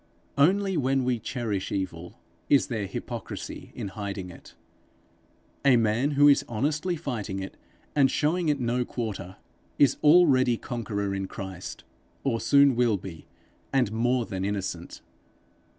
Only when we cherish evil, is there hypocrisy in hiding it. A man who is honestly fighting it and showing it no quarter, is already conqueror in Christ, or will soon be and more than innocent.